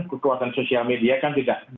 kekuatan sosial media kan tidak